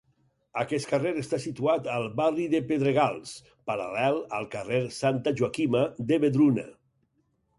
Aquest carrer està situat al barri dels Pedregals, paral·lel al carrer Santa Joaquima de Vedruna.